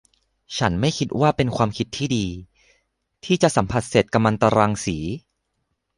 ฉันไม่คิดว่าเป็นความคิดที่ดี ที่จะสัมผัสเศษกัมมันตรังสี